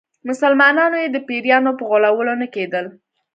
مسلمانانو یې د پیرانو په غولولو نه کېدل.